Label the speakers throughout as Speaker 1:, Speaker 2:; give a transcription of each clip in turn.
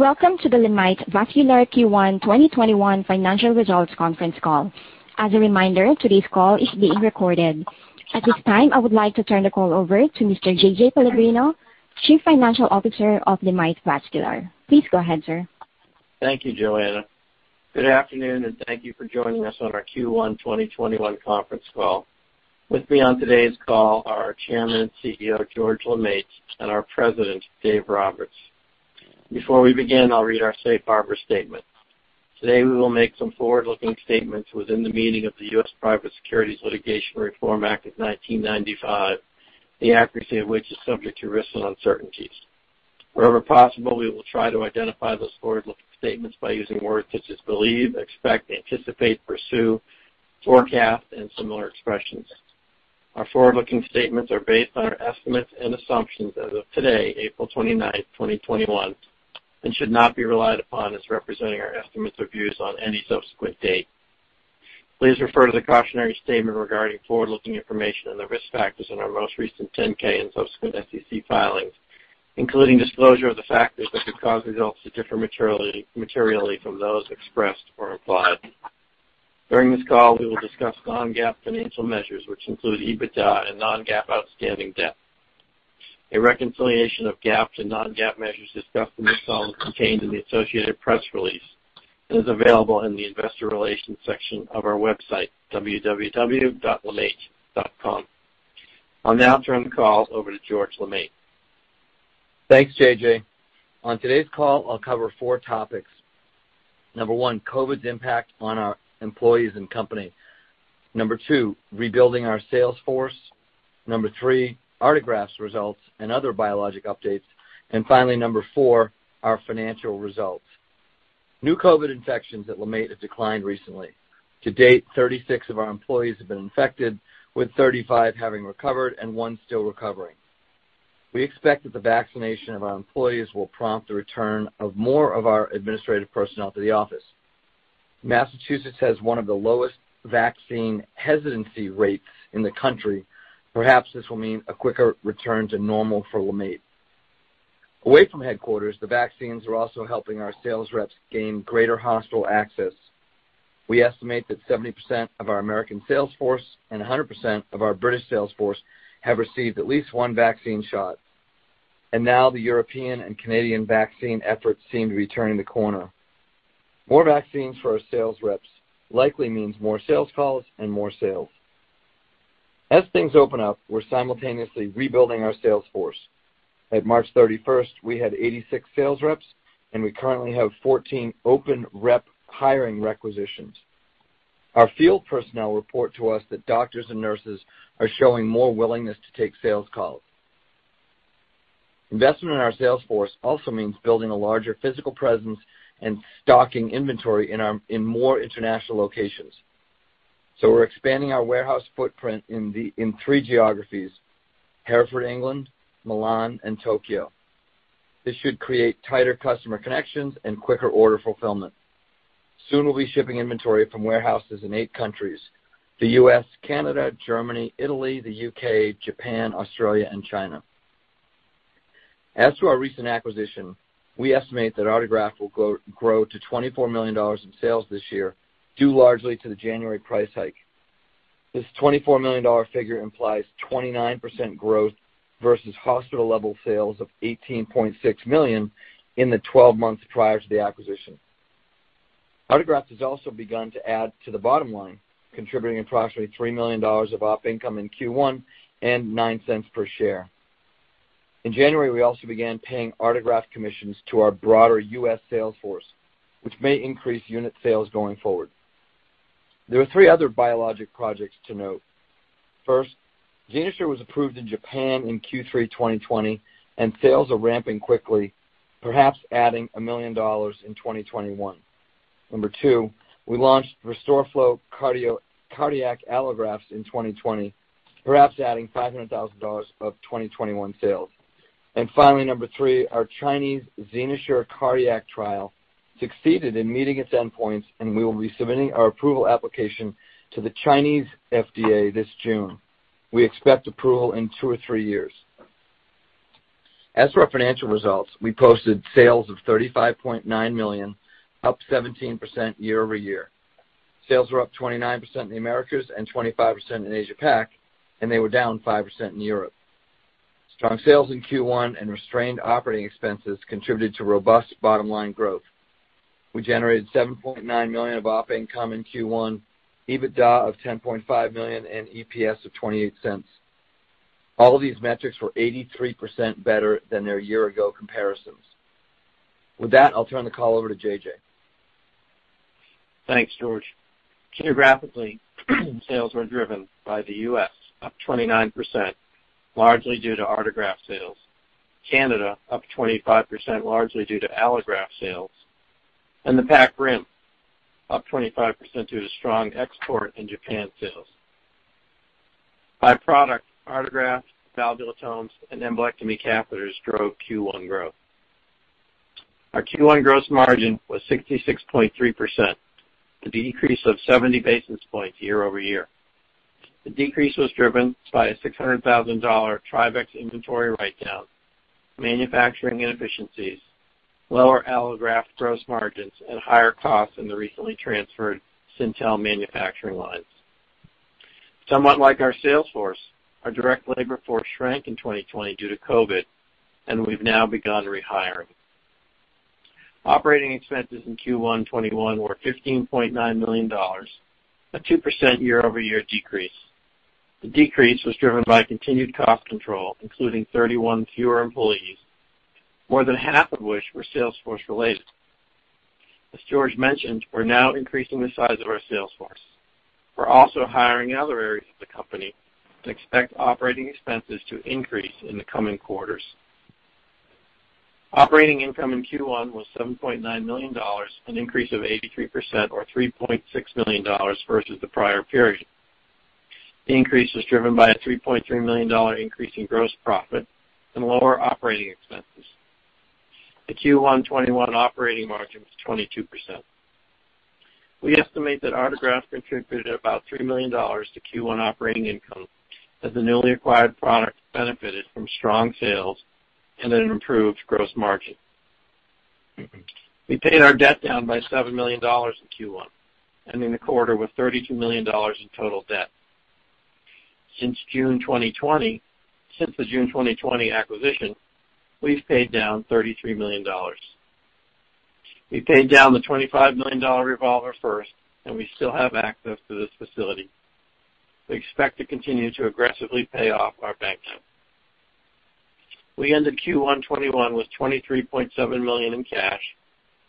Speaker 1: Welcome to the LeMaitre Vascular Q1 2021 financial results conference call. As a reminder, today's call is being recorded. At this time, I would like to turn the call over to Mr. JJ Pellegrino, Chief Financial Officer of LeMaitre Vascular. Please go ahead, sir.
Speaker 2: Thank you, Joanna. Good afternoon, and thank you for joining us on our Q1 2021 conference call. With me on today's call are our Chairman and CEO, George LeMaitre, and our President, Dave Roberts. Before we begin, I'll read our safe harbor statement. Today, we will make some forward-looking statements within the meaning of the Private Securities Litigation Reform Act of 1995, the accuracy of which is subject to risks and uncertainties. Wherever possible, we will try to identify those forward-looking statements by using words such as believe, expect, anticipate, pursue, forecast, and similar expressions. Our forward-looking statements are based on our estimates and assumptions as of today, April 29th, 2021, and should not be relied upon as representing our estimates or views on any subsequent date. Please refer to the cautionary statement regarding forward-looking information and the risk factors in our most recent 10-K, and subsequent SEC filings, including disclosure of the factors that could cause results to differ materially from those expressed or implied. During this call, we will discuss non-GAAP financial measures, which include EBITDA and non-GAAP outstanding debt. A reconciliation of GAAP to non-GAAP measures discussed in this call is contained in the associated press release and is available in the investor relations section of our website, www.lemaitre.com. I'll now turn the call over to George LeMaitre.
Speaker 3: Thanks, JJ On today's call, I'll cover four topics. Number one, COVID's impact on our employees and company. Number two, rebuilding our sales force. Number two, Artegraft's results and other biologic updates. Finally, Number four, our financial results. New COVID infections at LeMaitre have declined recently. To date, 36 of our employees have been infected, with 35 having recovered and one still recovering. We expect that the vaccination of our employees will prompt the return of more of our administrative personnel to the office. Massachusetts has one of the lowest vaccine hesitancy rates in the country. Perhaps this will mean a quicker return to normal for LeMaitre. Away from headquarters, the vaccines are also helping our sales reps gain greater hospital access. We estimate that 70% of our American sales force and 100% of our British sales force have received at least one vaccine shot. Now the European and Canadian vaccine efforts seem to be turning the corner. More vaccines for our sales reps likely means more sales calls and more sales. As things open up, we're simultaneously rebuilding our sales force. At March 31st, we had 86 sales reps. We currently have 14 open rep hiring requisitions. Our field personnel report to us that doctors and nurses are showing more willingness to take sales calls. Investment in our sales force also means building a larger physical presence and stocking inventory in more international locations. We're expanding our warehouse footprint in three geographies, Hereford, England, Milan, and Tokyo. This should create tighter customer connections and quicker order fulfillment. Soon, we'll be shipping inventory from warehouses in eight countries, the U.S., Canada, Germany, Italy, the U.K., Japan, Australia, and China. As to our recent acquisition, we estimate that Artegraft will grow to $24 million in sales this year, due largely to the January price hike. This $24 million figure implies 29% growth versus hospital level sales of $18.6 million in the 12 months prior to the acquisition. Artegraft has also begun to add to the bottom line, contributing approximately $3 million of op income in Q1 and $0.09 per share. In January, we also began paying Artegraft commissions to our broader U.S. sales force, which may increase unit sales going forward. There are three other biologic projects to note. First, XenoSure was approved in Japan in Q3 2020, and sales are ramping quickly, perhaps adding $1 million in 2021. Number two, we launched RestoreFlow cardiac allografts in 2020, perhaps adding $500,000 of 2021 sales. Finally, number three, our Chinese XenoSure cardiac trial succeeded in meeting its endpoints, and we will be submitting our approval application to the Chinese FDA this June. We expect approval in two or three years. As for our financial results, we posted sales of $35.9 million, up 17% year-over-year. Sales were up 29% in the Americas and 25% in Asia PAC, and they were down 5% in Europe. Strong sales in Q1 and restrained operating expenses contributed to robust bottom-line growth. We generated $7.9 million of op income in Q1, EBITDA of $10.5 million, and EPS of $0.28. All of these metrics were 83% better than their year-ago comparisons. With that, I'll turn the call over to JJ.
Speaker 2: Thanks, George. Geographically, sales were driven by the U.S., up 29%, largely due to Artegraft sales. Canada, up 25%, largely due to allograft sales, the PAC rim, up 25% due to strong export and Japan sales. By product, Artegraft, valvulotomes, and embolectomy catheters drove Q1 growth. Our Q1 gross margin was 66.3%, with a decrease of 70 basis points year-over-year. The decrease was driven by a $600,000 TRIVEX inventory write-down, manufacturing inefficiencies, lower allograft gross margins, and higher costs in the recently transferred Syntel manufacturing lines. Somewhat like our sales force, our direct labor force shrank in 2020 due to COVID, we've now begun rehiring. Operating expenses in Q1 2021 were $15.9 million, a 2% year-over-year decrease. The decrease was driven by continued cost control, including 31 fewer employees, more than half of which were sales force related. As George mentioned, we're now increasing the size of our sales force. We're also hiring in other areas of the company and expect operating expenses to increase in the coming quarters. Operating income in Q1 was $7.9 million, an increase of 83% or $3.6 million versus the prior period. The increase was driven by a $3.3 million increase in gross profit and lower operating expenses. The Q1 2021 operating margin was 22%. We estimate that Artegraft contributed about $3 million to Q1 operating income as the newly acquired product benefited from strong sales and an improved gross margin. We paid our debt down by $7 million in Q1, ending the quarter with $32 million in total debt. Since the June 2020 acquisition, we've paid down $33 million. We paid down the $25 million revolver first, and we still have access to this facility. We expect to continue to aggressively pay off our bank debt. We ended Q1 2021 with $23.7 million in cash,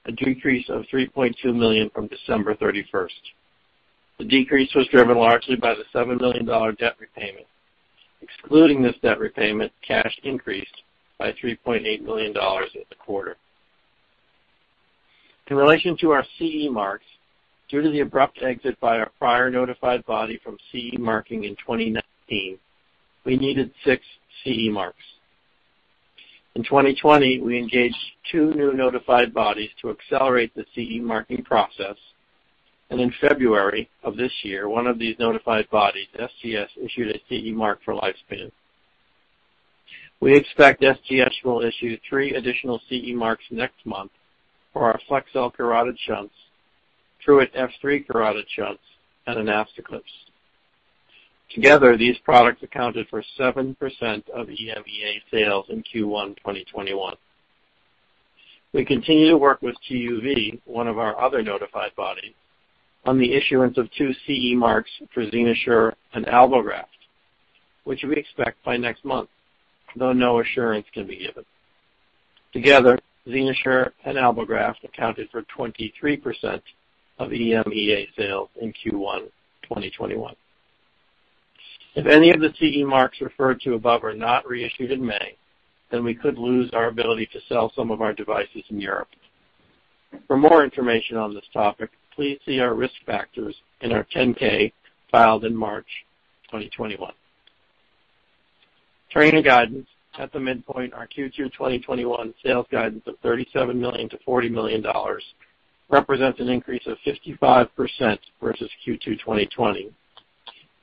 Speaker 2: a decrease of $3.2 million from December 31st. The decrease was driven largely by the $7 million debt repayment. Excluding this debt repayment, cash increased by $3.8 million in the quarter. In relation to our CE marks, due to the abrupt exit by our prior notified body from CE marking in 2019, we needed six CE marks. In 2020, we engaged two new notified bodies to accelerate the CE marking process, and in February of this year, one of these notified bodies, SGS, issued a CE mark for LifeSpan. We expect SGS will issue three additional CE marks next month for our Flexcel carotid shunts, Pruitt F3 carotid shunts, and AnastoClips. Together, these products accounted for 7% of EMEA sales in Q1 2021. We continue to work with TÜV SÜD, one of our other notified bodies, on the issuance of two CE marks for XenoSure and AlboGraft, which we expect by next month, though no assurance can be given. Together, XenoSure and AlboGraft accounted for 23% of EMEA sales in Q1 2021. If any of the CE marks referred to above are not reissued in May, then we could lose our ability to sell some of our devices in Europe. For more information on this topic, please see our risk factors in our 10-K, filed in March 2021. Turning to guidance, at the midpoint, our Q2 2021 sales guidance of $37 million-$40 million represents an increase of 55% versus Q2 2020,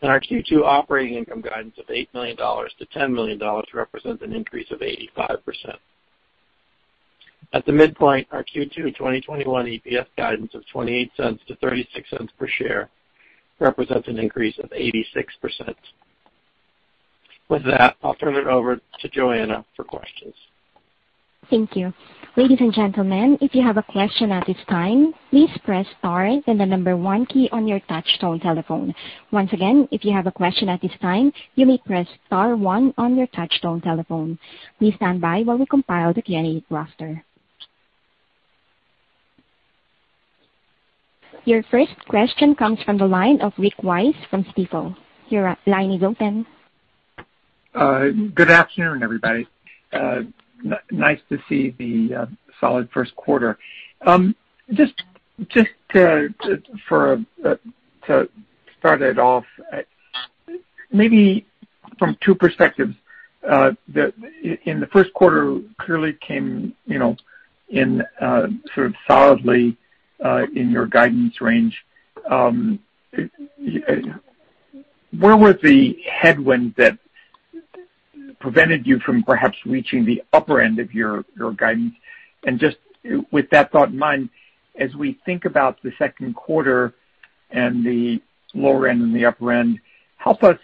Speaker 2: and our Q2 operating income guidance of $8 million-$10 million represents an increase of 85%. At the midpoint, our Q2 2021 EPS guidance of $0.28-$0.36 per share represents an increase of 86%. With that, I'll turn it over to Joanna for questions.
Speaker 1: Thank you. Ladies and gentlemen, if you have a question at this time, please press star then the number one key on your touchtone telephone. Once again, if you have a question at this time, you may press star one on your touchtone telephone. Please stand by while we compile the Q&A roster. Your first question comes from the line of Rick Wise from Stifel. Your line is open.
Speaker 4: Good afternoon, everybody. Nice to see the solid first quarter. Just to start it off, maybe from two perspectives, in the first quarter clearly came sort of solidly in your guidance range. Where were the headwinds that prevented you from perhaps reaching the upper end of your guidance? Just with that thought in mind, as we think about the second quarter and the lower end and the upper end, help us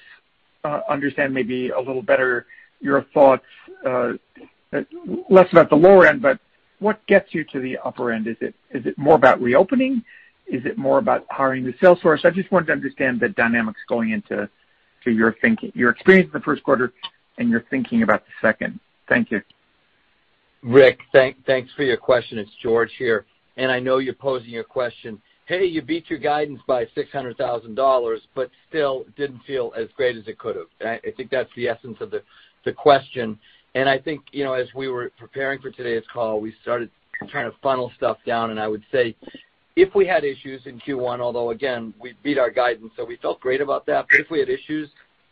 Speaker 4: understand maybe a little better your thoughts, less about the lower end, but what gets you to the upper end? Is it more about reopening? Is it more about hiring the sales force? I just wanted to understand the dynamics going into your experience in the first quarter and your thinking about the second. Thank you.
Speaker 3: Rick, thanks for your question. It's George here, and I know you're posing a question, "Hey, you beat your guidance by $600,000 but still didn't feel as great as it could have." I think that's the essence of the question, and I think as we were preparing for today's call, we started trying to funnel stuff down, and I would say if we had issues in Q1, although again, we beat our guidance, so we felt great about that, but if we had issues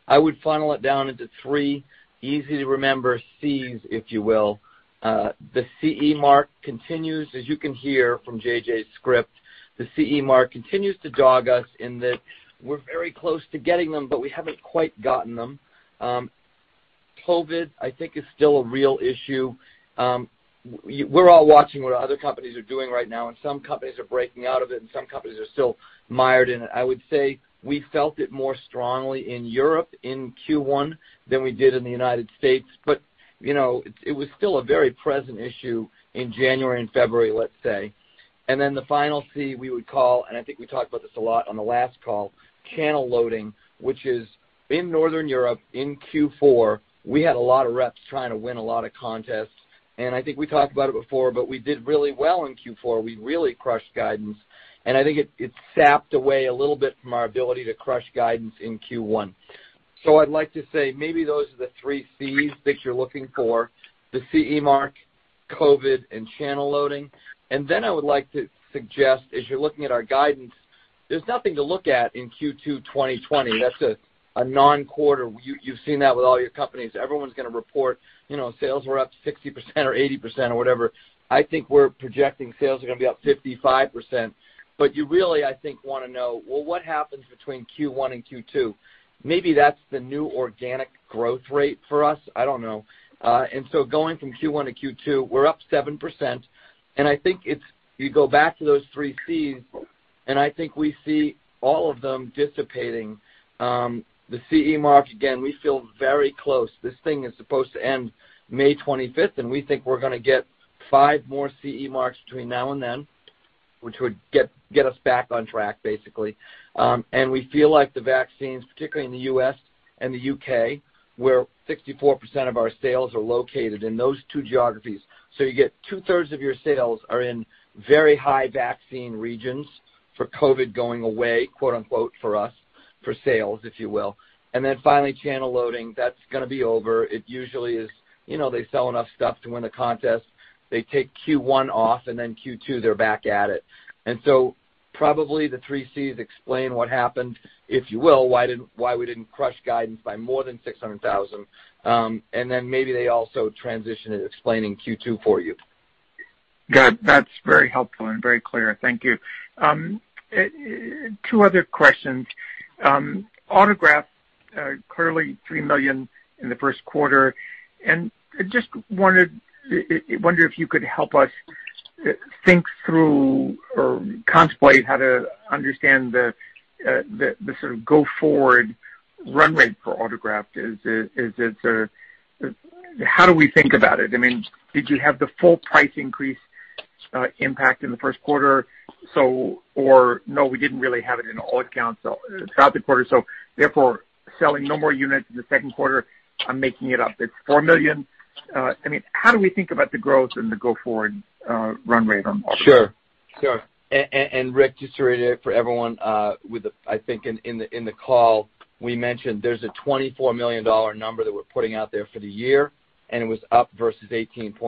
Speaker 3: I would funnel it down into three easy-to-remember Cs, if you will. The CE mark continues, as you can hear from JJ's script, the CE mark continues to dog us in that we're very close to getting them, but we haven't quite gotten them. COVID, I think is still a real issue. We're all watching what other companies are doing right now, and some companies are breaking out of it, and some companies are still mired in it. I would say we felt it more strongly in Europe in Q1 than we did in the United States. It was still a very present issue in January and February, let's say. The final C we would call, and I think we talked about this a lot on the last call, channel loading, which is in Northern Europe, in Q4, we had a lot of reps trying to win a lot of contests. I think we talked about it before, but we did really well in Q4. We really crushed guidance. I think it sapped away a little bit from our ability to crush guidance in Q1. I'd like to say maybe those are the three Cs that you're looking for, the CE mark, COVID, and channel loading. I would like to suggest, as you're looking at our guidance, there's nothing to look at in Q2 2020. That's a non-quarter. You've seen that with all your companies. Everyone's going to report, sales were up 60% or 80% or whatever. I think we're projecting sales are going to be up 55%. You really, I think, want to know, well, what happens between Q1 and Q2? Maybe that's the new organic growth rate for us. I don't know. Going from Q1 to Q2, we're up 7%. I think you go back to those three Cs, and I think we see all of them dissipating. The CE marks, again, we feel very close. This thing is supposed to end May 25th, and we think we're going to get five more CE marks between now and then, which would get us back on track, basically. We feel like the vaccines, particularly in the U.S. and the U.K., where 64% of our sales are located in those two geographies. You get two-thirds of your sales are in very high vaccine regions for COVID going away, quote unquote, for us, for sales, if you will. Finally, channel loading, that's going to be over. It usually is they sell enough stuff to win a contest. They take Q1 off, and then Q2, they're back at it. Probably the three Cs explain what happened, if you will, why we didn't crush guidance by more than $600,000. Maybe they also transition into explaining Q2 for you.
Speaker 4: Good. That's very helpful and very clear. Thank you. Two other questions. Artegraft, clearly $3 million in the first quarter. I just wonder if you could help us think through or contemplate how to understand the sort of go forward run rate for Artegraft. How do we think about it? Did you have the full price increase impact in the first quarter? No, we didn't really have it in all accounts throughout the quarter, so therefore, selling no more units in the second quarter. I'm making it up. It's $4 million. How do we think about the growth and the go-forward run rate on Artegraft?
Speaker 3: Sure. Rick Wise, just to reiterate for everyone, I think in the call, we mentioned there's a $24 million number that we're putting out there for the year, and it was up versus $18.6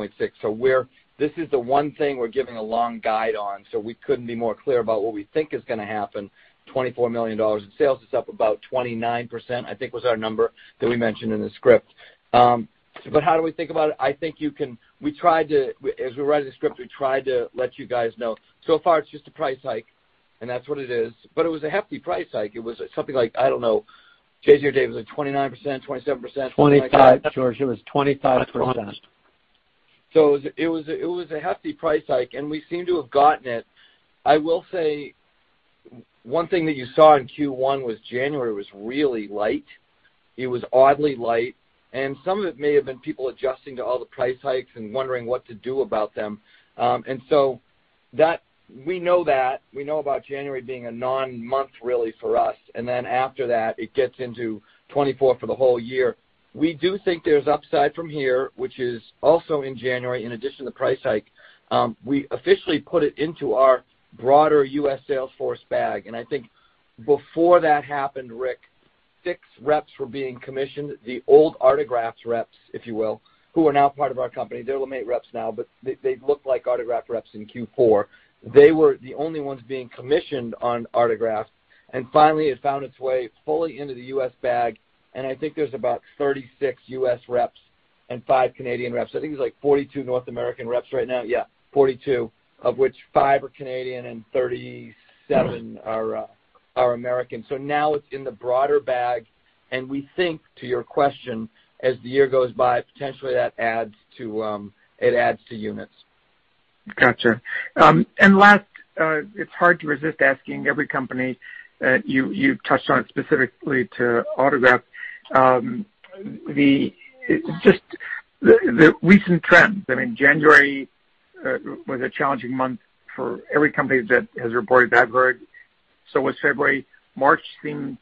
Speaker 3: million. This is the one thing we're giving a long guide on, we couldn't be more clear about what we think is going to happen. $24 million in sales is up about 29%, I think was our number that we mentioned in the script. How do we think about it? As we were writing the script, we tried to let you guys know. So far, it's just a price hike, that's what it is. It was a hefty price hike. It was something like, I don't know, JJ Pellegrino or David Roberts, was it 29%, 27%?
Speaker 5: 25, George. It was 25%.
Speaker 3: It was a hefty price hike, and we seem to have gotten it. I will say one thing that you saw in Q1 was January was really light. It was oddly light, and some of it may have been people adjusting to all the price hikes and wondering what to do about them. We know that. We know about January being a non-month really for us. After that, it gets into 2024 for the whole year. We do think there's upside from here, which is also in January, in addition to the price hike. We officially put it into our broader U.S. sales force bag. I think before that happened, Rick, six reps were being commissioned. The old Artegraft reps, if you will, who are now part of our company. They're LeMaitre reps now, but they looked like Artegraft reps in Q4. They were the only ones being commissioned on Artegraft. Finally, it found its way fully into the U.S. bag, and I think there's about 36 U.S. reps and 5 Canadian reps. I think it's like 42 North American reps right now. Yeah, 42, of which 5 are Canadian and 37 are American. Now it's in the broader bag, and we think, to your question, as the year goes by, potentially it adds to units.
Speaker 4: Got you. Last, it's hard to resist asking every company, you touched on it specifically to Artegraft. Just the recent trends. January was a challenging month for every company that has reported that word. February was. March seemed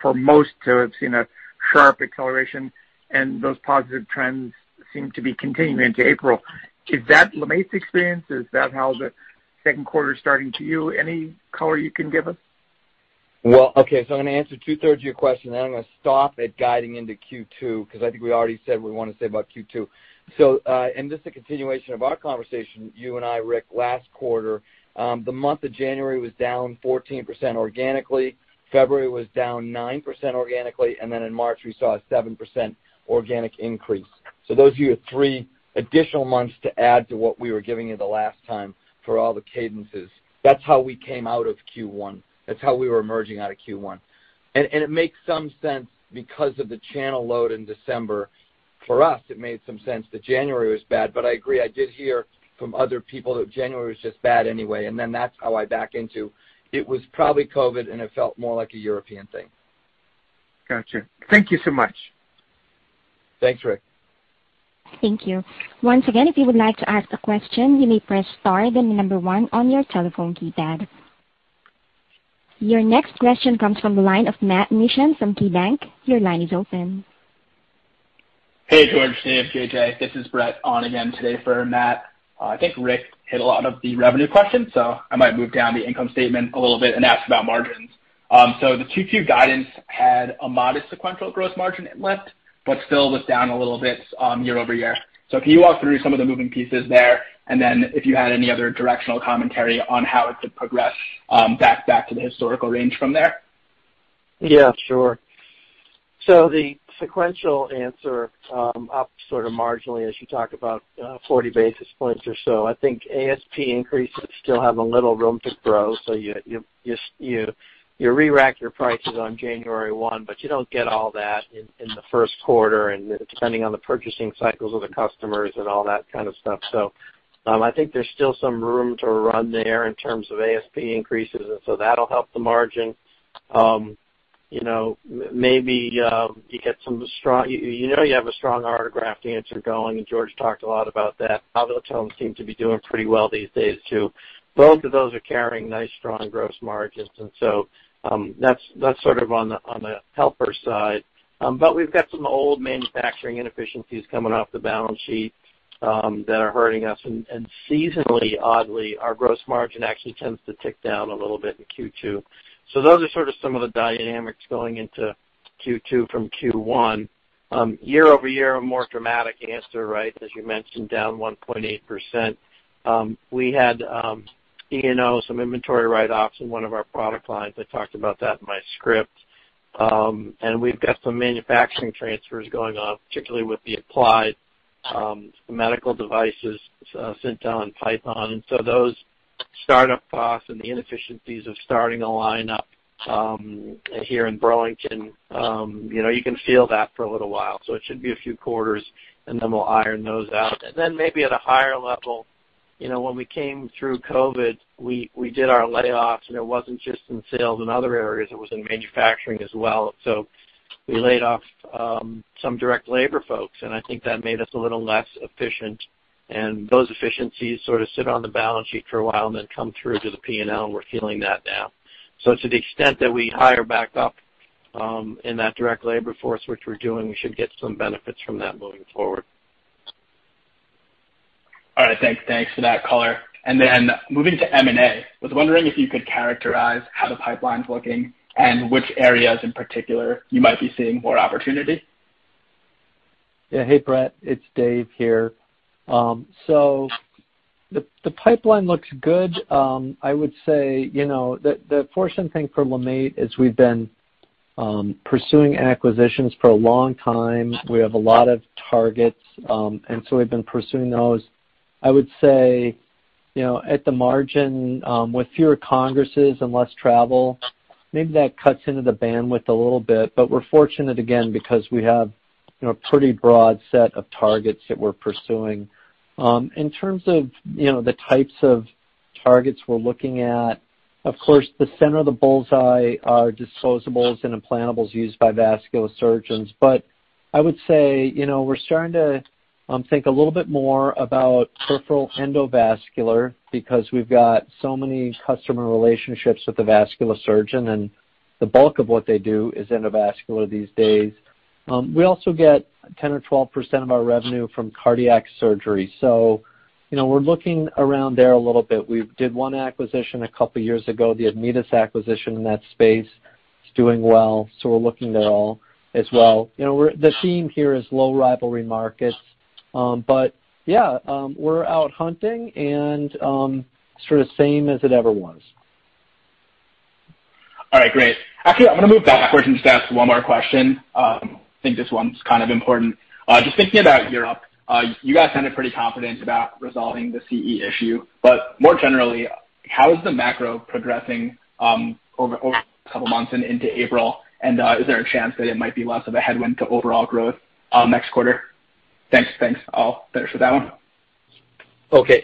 Speaker 4: for most to have seen a sharp acceleration. Those positive trends seem to be continuing into April. Is that LeMaitre's experience? Is that how the second quarter is starting to you? Any color you can give us?
Speaker 3: Well, okay. I'm going to answer two-thirds of your question, then I'm going to stop at guiding into Q2, because I think we already said what we want to say about Q2. Just a continuation of our conversation, you and I, Rick Wise, last quarter, the month of January was down 14% organically. February was down 9% organically, in March, we saw a 7% organic increase. Those are your three additional months to add to what we were giving you the last time for all the cadences. That's how we came out of Q1. That's how we were emerging out of Q1. It makes some sense because of the channel load in December. For us, it made some sense that January was bad. I agree, I did hear from other people that January was just bad anyway, and then that's how I back into it was probably COVID, and it felt more like a European thing.
Speaker 4: Got you. Thank you so much.
Speaker 3: Thanks, Rick.
Speaker 1: Thank you. Your next question comes from the line of Matthew Mishan from KeyBanc. Your line is open.
Speaker 6: Hey, George, Dave, J.J. This is Brett on again today for Matt. I think Rick hit a lot of the revenue questions. I might move down the income statement a little bit and ask about margins. The Q2 guidance had a modest sequential gross margin lift. Still was down a little bit year-over-year. Can you walk through some of the moving pieces there? If you had any other directional commentary on how it could progress back to the historical range from there?
Speaker 5: Yeah, sure. The sequential answer up sort of marginally as you talk about 40 basis points or so. I think ASP increases still have a little room to grow. You re-rack your prices on January 1, but you don't get all that in the first quarter, and depending on the purchasing cycles of the customers and all that kind of stuff. I think there's still some room to run there in terms of ASP increases, that'll help the margin. You know you have a strong AlboGraft answer going, and George talked a lot about that. Avitell seems to be doing pretty well these days, too. Both of those are carrying nice, strong gross margins. That's sort of on the helper side. We've got some old manufacturing inefficiencies coming off the balance sheet that are hurting us.
Speaker 2: Seasonally, oddly, our gross margin actually tends to tick down a little bit in Q2. Those are sort of some of the dynamics going into Q2 from Q1. Year-over-year, a more dramatic answer, as you mentioned, down 1.8%. We had E&O, some inventory write-offs in one of our product lines. I talked about that in my script. We've got some manufacturing transfers going on, particularly with the Applied Medical devices, Synthel, Python. Those start-up costs and the inefficiencies of starting a line-up here in Burlington. You can feel that for a little while. It should be a few quarters, and then we'll iron those out. Maybe at a higher level, when we came through COVID, we did our layoffs, and it wasn't just in sales and other areas. It was in manufacturing as well. We laid off some direct labor folks, and I think that made us a little less efficient. Those efficiencies sort of sit on the balance sheet for a while and then come through to the P&L, and we're feeling that now. To the extent that we hire back up in that direct labor force, which we're doing, we should get some benefits from that moving forward.
Speaker 6: All right. Thanks for that color. Moving to M&A, I was wondering if you could characterize how the pipeline's looking and which areas in particular you might be seeing more opportunity.
Speaker 5: Yeah. Hey, Brett. It's Dave here. The pipeline looks good. I would say the fortunate thing for LeMaitre is we've been pursuing acquisitions for a long time. We have a lot of targets, we've been pursuing those. I would say at the margin, with fewer congresses and less travel, maybe that cuts into the bandwidth a little bit. We're fortunate again because we have a pretty broad set of targets that we're pursuing. In terms of the types of targets we're looking at, of course, the center of the bullseye are disposables and implantables used by vascular surgeons. I would say we're starting to think a little bit more about peripheral endovascular because we've got so many customer relationships with the vascular surgeon, and the bulk of what they do is endovascular these days. We also get 10% or 12% of our revenue from cardiac surgery, so we're looking around there a little bit. We did one acquisition a couple of years ago, the Admedus acquisition in that space. It's doing well. We're looking there all as well. The theme here is low rivalry markets. Yeah, we're out hunting and sort of same as it ever was.
Speaker 6: All right, great. Actually, I'm going to move backwards and just ask one more question. I think this one's kind of important. Just thinking about Europe, you guys sounded pretty confident about resolving the CE issue. More generally, how is the macro progressing over the couple of months and into April? Is there a chance that it might be less of a headwind to overall growth next quarter? Thanks. I'll finish with that one.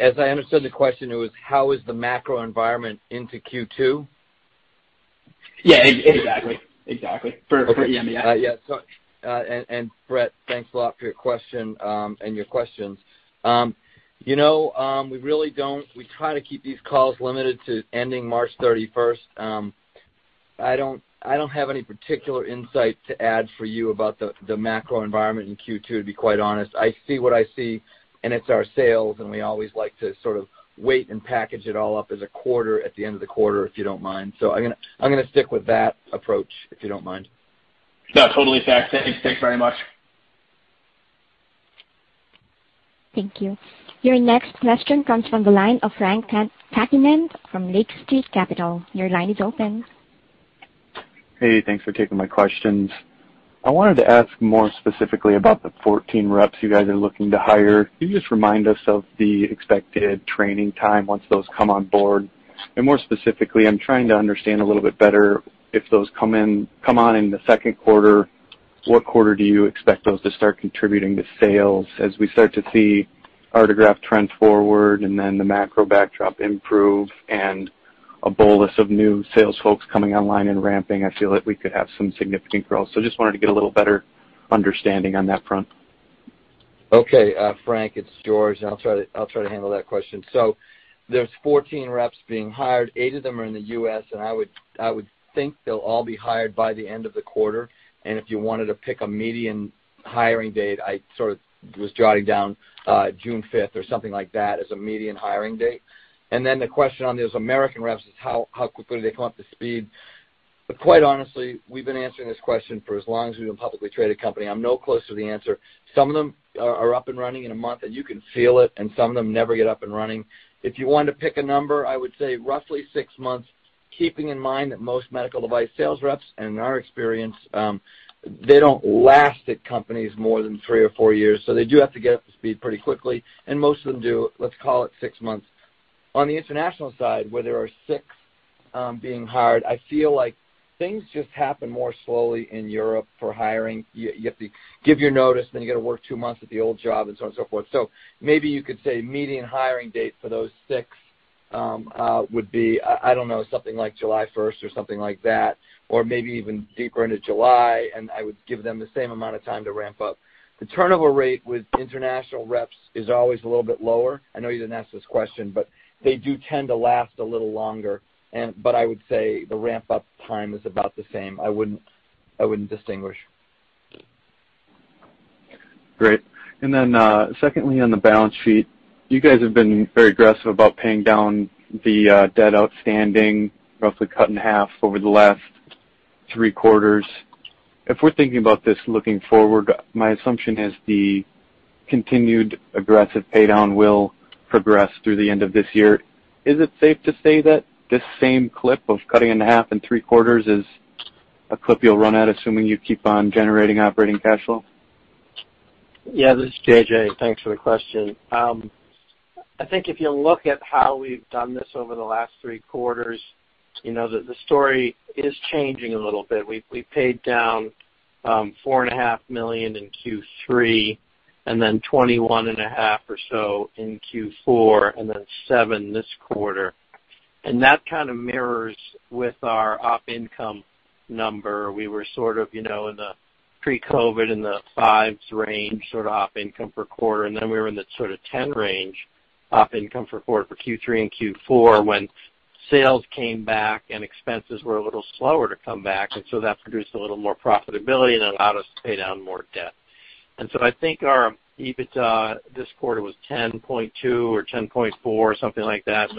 Speaker 3: As I understood the question, it was how is the macro environment into Q2?
Speaker 6: Yeah, exactly. For EMEA.
Speaker 3: Yeah. Brett, thanks a lot for your question and your questions. We try to keep these calls limited to ending March 31st. I don't have any particular insight to add for you about the macro environment in Q2, to be quite honest. I see what I see, it's our sales, we always like to sort of wait and package it all up as a quarter at the end of the quarter, if you don't mind. I'm going to stick with that approach, if you don't mind.
Speaker 6: No, totally fair. Thanks very much.
Speaker 1: Thank you. Your next question comes from the line of Frank Takkinen from Lake Street Capital. Your line is open.
Speaker 7: Thanks for taking my questions. I wanted to ask more specifically about the 14 reps you guys are looking to hire. Can you just remind us of the expected training time once those come on board? More specifically, I'm trying to understand a little bit better if those come on in the second quarter, what quarter do you expect those to start contributing to sales? As we start to see Artegraft trend forward and then the macro backdrop improve and a bolus of new sales folks coming online and ramping, I feel like we could have some significant growth. Just wanted to get a little better understanding on that front.
Speaker 3: Okay. Frank, it's George, I'll try to handle that question. There's 14 reps being hired. Eight of them are in the U.S., I would think they'll all be hired by the end of the quarter. If you wanted to pick a median hiring date, I sort of was jotting down June 5th or something like that as a median hiring date. The question on those American reps is how quickly they come up to speed. Quite honestly, we've been answering this question for as long as we've been a publicly traded company. I'm no closer to the answer. Some of them are up and running in one month and you can feel it, and some of them never get up and running. If you wanted to pick a number, I would say roughly six months, keeping in mind that most medical device sales reps, in our experience, they don't last at companies more than three or four years. They do have to get up to speed pretty quickly, and most of them do, let's call it six months. On the international side, where there are six being hired, I feel like things just happen more slowly in Europe for hiring. You have to give your notice, then you got to work two months at the old job and so on and so forth. Maybe you could say median hiring date for those six would be, I don't know, something like July 1st or something like that, or maybe even deeper into July, and I would give them the same amount of time to ramp up. The turnover rate with international reps is always a little bit lower. I know you didn't ask this question, they do tend to last a little longer. I would say the ramp-up time is about the same. I wouldn't distinguish.
Speaker 7: Great. Secondly, on the balance sheet, you guys have been very aggressive about paying down the debt outstanding, roughly cut in half over the last three quarters. If we're thinking about this looking forward, my assumption is the continued aggressive pay down will progress through the end of this year. Is it safe to say that this same clip of cutting in half in three quarters is a clip you'll run at, assuming you keep on generating operating cash flow?
Speaker 2: Yeah, this is JJ Thanks for the question. I think if you look at how we've done this over the last three quarters, the story is changing a little bit. We paid down $4.5 million in Q3, and then $21.5 million or so in Q4, and then $7 million this quarter. That kind of mirrors with our op income number. We were sort of in the pre-COVID in the fives range, sort of op income per quarter, and then we were in the sort of 10 range op income for quarter for Q3 and Q4 when sales came back and expenses were a little slower to come back, that produced a little more profitability and allowed us to pay down more debt. I think our EBITDA this quarter was $10.2 million or $10.4 million or something like that.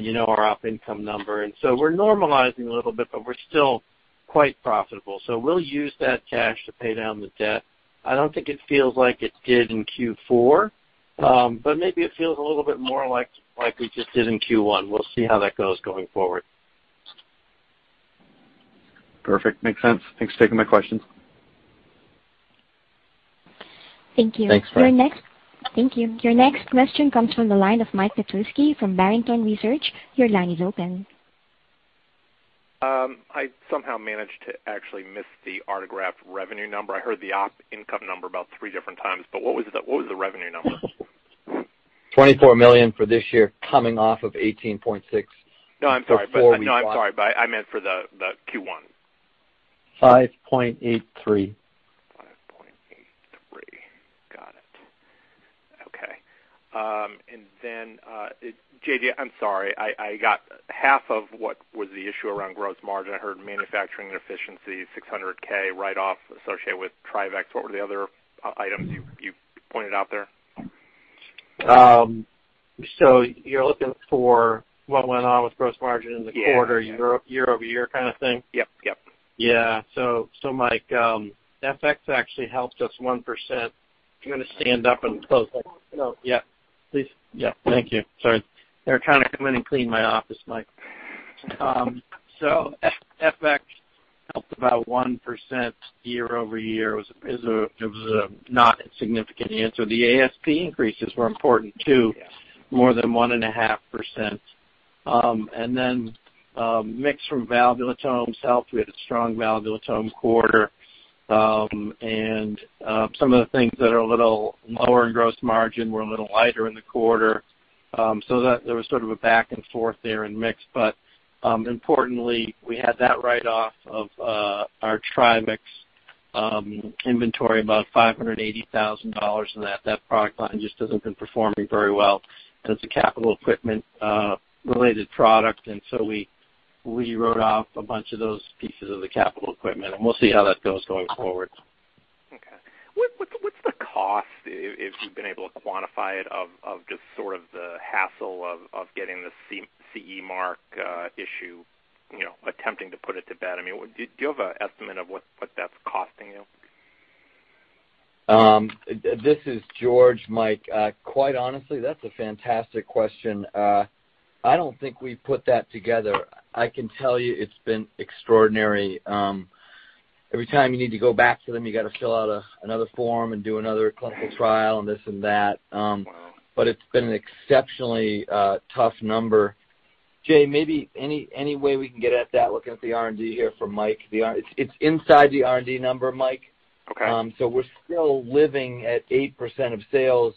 Speaker 2: You know our op income number, and so we're normalizing a little bit, but we're still quite profitable. We'll use that cash to pay down the debt. I don't think it feels like it did in Q4, but maybe it feels a little bit more like we just did in Q1. We'll see how that goes going forward.
Speaker 7: Perfect. Makes sense. Thanks for taking my questions.
Speaker 1: Thank you.
Speaker 3: Thanks, Frank.
Speaker 1: Thank you. Your next question comes from the line of Mike Petusky from Barrington Research. Your line is open.
Speaker 8: I somehow managed to actually miss the Artegraft revenue number. I heard the op income number about three different times, what was the revenue number?
Speaker 3: $24 million for this year, coming off of $18.6 for Q1.
Speaker 8: No, I'm sorry, I meant for the Q1.
Speaker 2: 5.83.
Speaker 8: $5.83. Got it. Okay. JJ, I'm sorry. I got half of what was the issue around gross margin. I heard manufacturing and efficiency, $600,000 write-off associated with TRIVEX. What were the other items you pointed out there?
Speaker 2: You're looking for what went on with gross margin in the quarter?
Speaker 8: Yeah
Speaker 2: Year-over-year kind of thing?
Speaker 8: Yep.
Speaker 2: Yeah. Mike, FX actually helped us 1%. I'm going to stand up and close that.
Speaker 8: Yeah.
Speaker 2: Please.
Speaker 8: Yeah.
Speaker 2: Thank you. Sorry. They were trying to come in and clean my office, Mike. FX helped about 1% year-over-year. It was a not insignificant answer. The ASP increases were important, too.
Speaker 8: Yeah.
Speaker 2: More than 1.5%. Mix from valvulotomes helped. We had a strong valvulotome quarter. Some of the things that are a little lower in gross margin were a little lighter in the quarter. There was sort of a back and forth there in mix. Importantly, we had that write-off of our TRIVEX inventory, about $580,000 in that. That product line just hasn't been performing very well, and it's a capital equipment related product. We wrote off a bunch of those pieces of the capital equipment, and we'll see how that goes going forward.
Speaker 8: Okay cost, if you've been able to quantify it, of just sort of the hassle of getting the CE mark issue, attempting to put it to bed. Do you have an estimate of what that's costing you?
Speaker 3: This is George, Mike. Quite honestly, that's a fantastic question. I don't think we've put that together. I can tell you it's been extraordinary. Every time you need to go back to them, you got to fill out another form and do another clinical trial and this and that. It's been an exceptionally tough number. JJ, maybe any way we can get at that, looking at the R&D here for Mike? It's inside the R&D number, Mike. We're still living at 8% of sales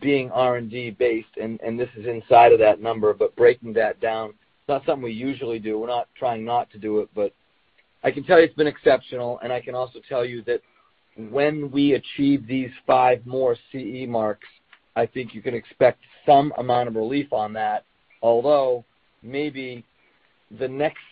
Speaker 3: being R&D-based, and this is inside of that number, but breaking that down, it's not something we usually do. We're not trying not to do it, but I can tell you it's been exceptional, and I can also tell you that when we achieve these five more CE marks, I think you can expect some amount of relief on that. Although, maybe the next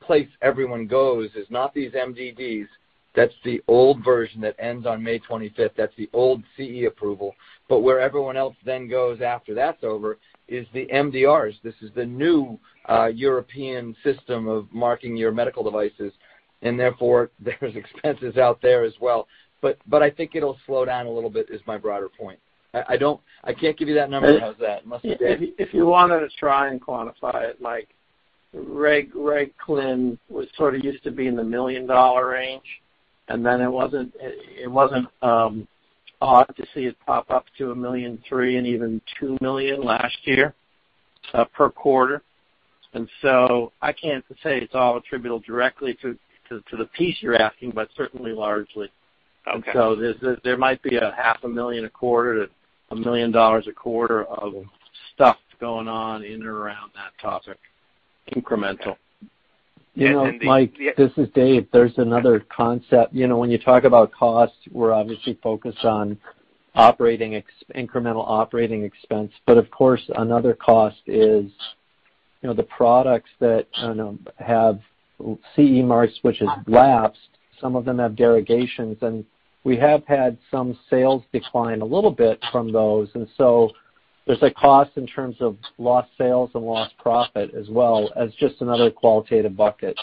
Speaker 3: place everyone goes is not these MDDs. That's the old version that ends on May 25th. That's the old CE approval. Where everyone else then goes after that's over is the MDRs. This is the new European system of marking your medical devices, and therefore, there's expenses out there as well. I think it'll slow down a little bit is my broader point. I can't give you that number. How's that? It must be Dave.
Speaker 2: If you wanted to try and quantify it, Mike, Reg/Clin sort of used to be in the $1 million range, and then it wasn't odd to see it pop up to $1.3 million and even $2 million last year, per quarter. I can't say it's all attributable directly to the piece you're asking, but certainly largely.
Speaker 8: Okay.
Speaker 2: There might be a half a million dollars a quarter to $1 million dollars a quarter of stuff going on in and around that topic, incremental.
Speaker 5: Mike, this is Dave. There's another concept. When you talk about cost, we're obviously focused on incremental operating expense. Of course, another cost is the products that have CE marks which have lapsed. Some of them have derogations, and we have had some sales decline a little bit from those. There's a cost in terms of lost sales and lost profit as well as just another qualitative bucket.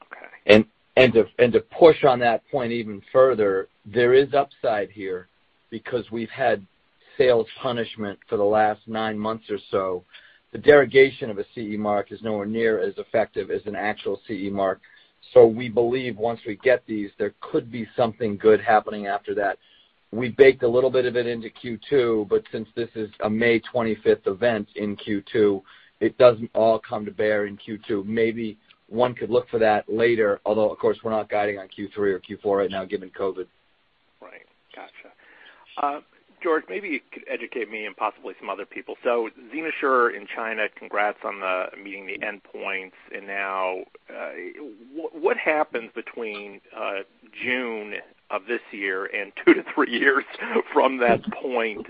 Speaker 8: Okay.
Speaker 5: To push on that point even further, there is upside here because we've had sales punishment for the last nine months or so. The derogation of a CE mark is nowhere near as effective as an actual CE mark. We believe once we get these, there could be something good happening after that. We baked a little bit of it into Q2, but since this is a May 25th event in Q2, it doesn't all come to bear in Q2. Maybe one could look for that later, although, of course, we're not guiding on Q3 or Q4 right now given COVID.
Speaker 8: Right. Gotcha. George, maybe you could educate me and possibly some other people. XenoSure in China, congrats on meeting the endpoints. Now what happens between June of this year and two to three years from that point?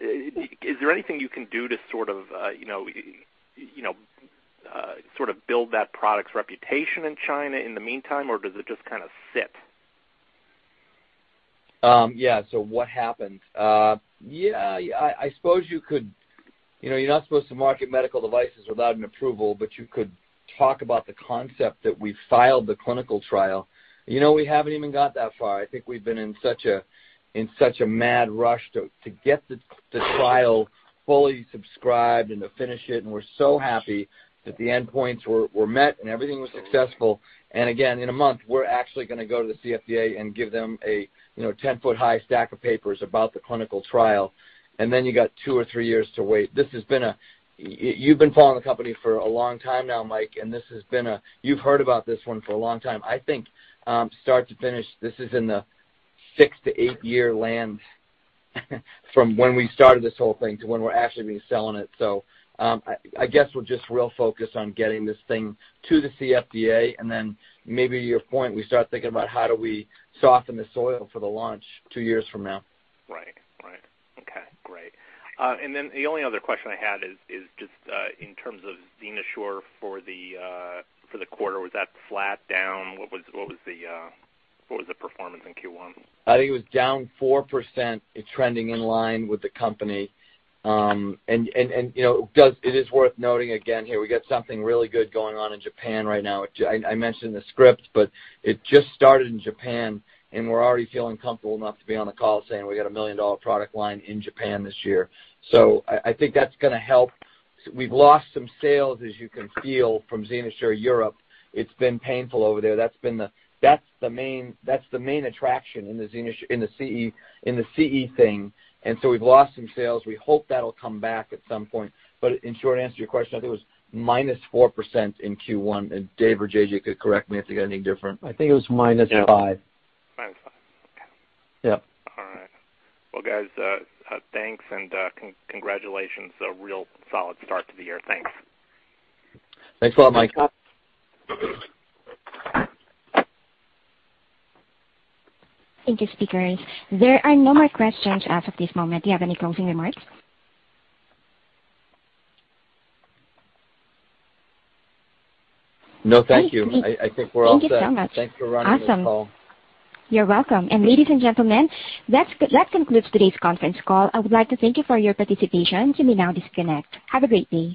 Speaker 8: Is there anything you can do to sort of build that product's reputation in China in the meantime, or does it just kind of sit?
Speaker 3: What happens? I suppose you could. You're not supposed to market medical devices without an approval, but you could talk about the concept that we filed the clinical trial. We haven't even got that far. I think we've been in such a mad rush to get the trial fully subscribed and to finish it, and we're so happy that the endpoints were met and everything was successful. Again, in a month, we're actually going to go to the CFDA and give them a 10-foot high stack of papers about the clinical trial. Then you got two or three years to wait. You've been following the company for a long time now, Mike, and you've heard about this one for a long time. I think start to finish, this is in the six to eight-year land from when we started this whole thing to when we're actually going to be selling it. I guess we're just real focused on getting this thing to the CFDA, and then maybe to your point, we start thinking about how do we soften the soil for the launch two years from now.
Speaker 8: Right. Okay, great. The only other question I had is just in terms of XenoSure for the quarter. Was that flat down? What was the performance in Q1?
Speaker 3: I think it was down 4%. It's trending in line with the company. It is worth noting again here, we got something really good going on in Japan right now. I mentioned the script. It just started in Japan, we're already feeling comfortable enough to be on the call saying we got a $1 million product line in Japan this year. I think that's going to help. We've lost some sales, as you can feel, from XenoSure Europe. It's been painful over there. That's the main attraction in the CE mark thing. We've lost some sales. We hope that'll come back at some point. In short answer to your question, I think it was minus 4% in Q1. David Roberts or JJ could correct me if they got anything different.
Speaker 2: I think it was minus five.
Speaker 8: Minus five. Okay.
Speaker 2: Yeah.
Speaker 8: All right. Well, guys, thanks and congratulations. A real solid start to the year. Thanks.
Speaker 3: Thanks a lot, Mike.
Speaker 1: Thank you, speakers. There are no more questions as of this moment. Do you have any closing remarks?
Speaker 3: No, thank you. I think we're all set.
Speaker 1: Thank you so much.
Speaker 3: Thanks for running this call.
Speaker 1: Awesome. You're welcome. Ladies and gentlemen, that concludes today's conference call. I would like to thank you for your participation. You may now disconnect. Have a great day.